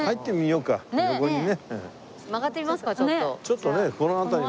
ちょっとねこの辺りも。